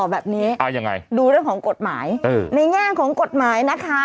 แบบนี้อ่ายังไงดูเรื่องของกฎหมายเออในแง่ของกฎหมายนะคะ